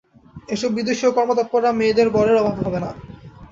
এই সব বিদুষী ও কর্মতৎপরা মেয়েদের বরের অভাব হবে না।